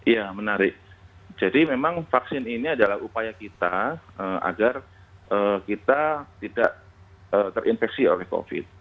ya menarik jadi memang vaksin ini adalah upaya kita agar kita tidak terinfeksi oleh covid